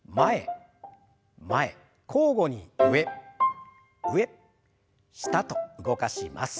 交互に上上下と動かします。